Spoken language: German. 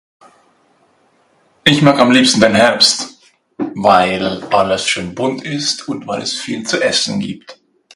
Ich mag am liebsten den Herbst, weil es schön bunt ist und weil es viel zu essen gibt